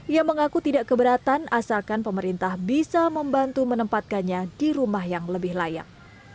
ia mengaku tidak keberatan asalkan pemerintah bisa membantu menempatkannya di rumah yang lebih layak